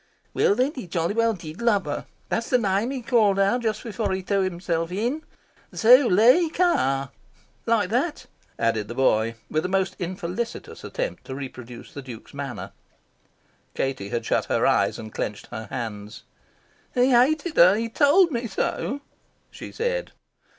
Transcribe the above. "Well, then, he jolly well did love her. That's the name he called out just before he threw himself in. 'Zuleika!' like that," added the boy, with a most infelicitous attempt to reproduce the Duke's manner. Katie had shut her eyes, and clenched her hands. "He hated her. He told me so," she said.